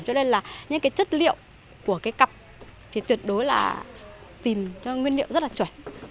cho nên là những cái chất liệu của cái cọc thì tuyệt đối là tìm nguyên liệu rất là chuẩn